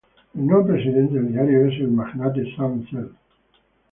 El nuevo presidente del diario es el magnate Sam Zell.